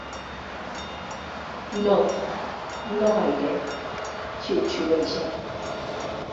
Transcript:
No... no gaire —xiuxiueja.